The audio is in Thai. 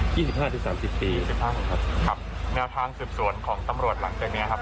เพราะว่าอยากจะได้กล้องจากที่กระเทศนะครับ